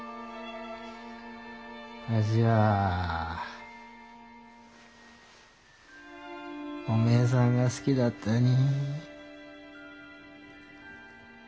わしはおめえさんが好きだったに。